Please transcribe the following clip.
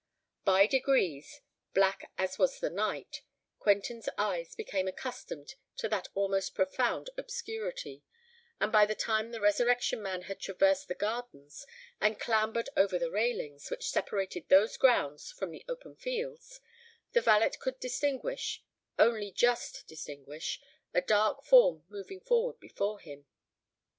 By degrees, black as was the night, Quentin's eyes became accustomed to that almost profound obscurity; and by the time the Resurrection Man had traversed the gardens, and clambered over the railings which separated those grounds from the open fields, the valet could distinguish—only just distinguish—a dark form moving forward before him.